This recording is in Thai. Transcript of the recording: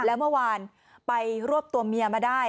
แล้วเมื่อวานไปรวบตัวเมียมาได้